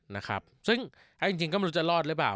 นะครับซึ่งไอ้จริงจริงก็ไม่รู้จะลอดได้เปล่า